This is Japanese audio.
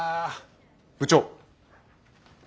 部長。